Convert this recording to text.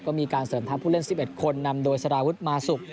ก็มีการเสริมทัพผู้เล่น๑๑คนนำโดยสารวุฒิมาสุก